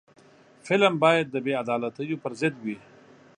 فلم باید د بې عدالتیو پر ضد وي